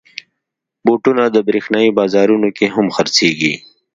بوټونه د برېښنايي بازارونو کې هم خرڅېږي.